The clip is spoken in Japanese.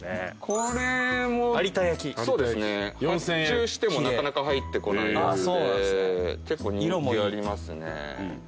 これも発注してもなかなか入ってこないやつで結構人気ありますね。